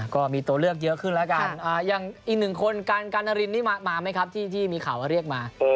ก็มีตัวเลือกเยอะขึ้นแล้วกันอย่างอีกหนึ่งคนการนารินนี่มาไหมครับที่มีข่าวว่าเรียกมา